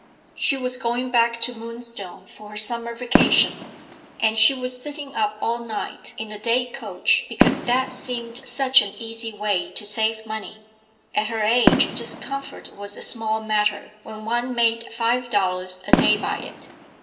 She was going back to Moonstone for her summer vacation, and she was sitting up all night in a day coach because that seemed such an easy way to save money. At her age discomfort was a small matter, when one made five dollars a day by it.